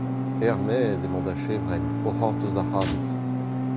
Er-maez emañ da chevrenn o c'hortoz ac'hanout.